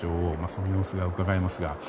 その様子がうかがえますが。